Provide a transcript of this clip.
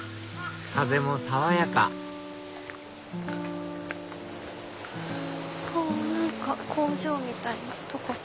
風も爽やかあ何か工場みたいなとこ。